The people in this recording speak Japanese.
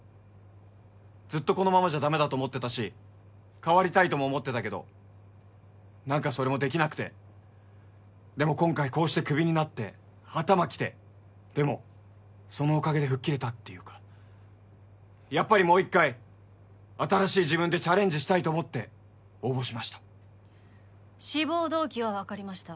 ずっとこのままじゃダメだと思ってたし変わりたいとも思ってたけど何かそれもできなくてでも今回こうしてクビになって頭きてでもそのおかげで吹っ切れたっていうかやっぱりもう一回新しい自分でチャレンジしたいと思って応募しました志望動機は分かりました